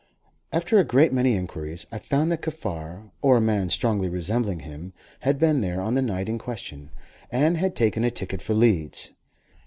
After a great many inquiries, I found that Kaffar, or a man strongly resembling him, had been there on the night in question, and had taken a ticket for Leeds.